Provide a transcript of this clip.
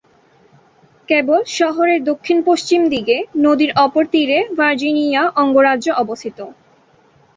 কেবল শহরের দক্ষিণ-পশ্চিম দিকে নদীর অপর তীরে ভার্জিনিয়া অঙ্গরাজ্য অবস্থিত।